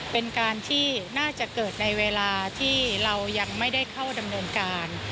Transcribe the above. เป็นการที่น่าจะเกิดในเวลาที่เรายังไม่ได้เข้าดำเนินการ